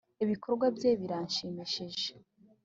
ibikorwa bye birashimishije.